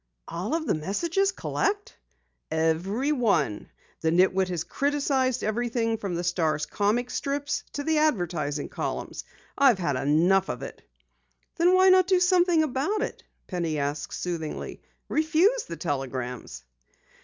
"All of the messages collect?" "Every one. The nit wit has criticised everything from the Star's comic strips to the advertising columns. I've had enough of it!" "Then why not do something about it?" Penny asked soothingly. "Refuse the telegrams."